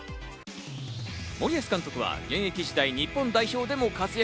森保監督は現役時代、日本代表でも活躍。